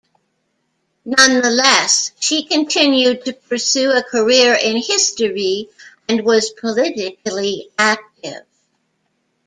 Nonetheless, she continued to pursue a career in history and was politically active.